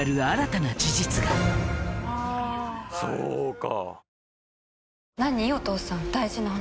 そうか。